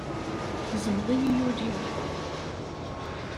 Tgezmeḍ-iyi ul-iw.